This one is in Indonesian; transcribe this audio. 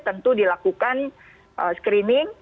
tentu dilakukan screening